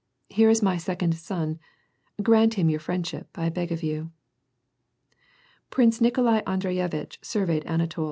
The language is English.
" Here is my second son ; grant him your friendship, I beg of you." Prince Nikolai Andrevevitch surveyed Anatol.